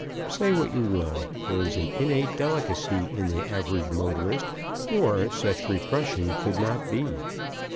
Say what you will, there is an innate delicacy in the average motorist, or such repression could not be.